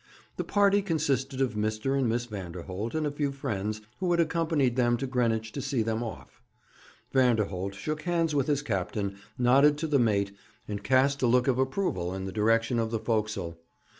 The party consisted of Mr. and Miss Vanderholt and a few friends who had accompanied them to Greenwich to see them off. Vanderholt shook hands with his captain, nodded to the mate, and cast a look of approval in the direction of the forecastle.